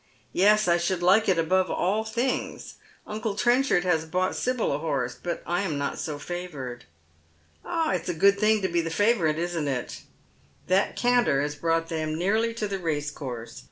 '* Yes, I should like it above all things. Uncle Trenchard has bought Sibyl a horse. But I am not so favoured." " Ah, it's a good thing to be the favourite, isn't it ?" That canter has brought them nearly to the racecourse.